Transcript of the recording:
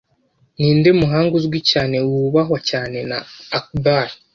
Ninde muhanga uzwi cyane wubahwa cyane na Akbar